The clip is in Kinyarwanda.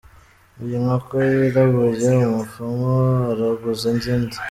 Iyo inkoko yirabuye, umupfumu araguza izindi.